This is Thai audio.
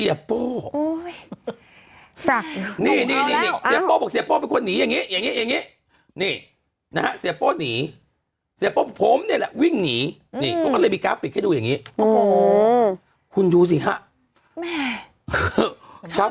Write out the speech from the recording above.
อยากไปทำ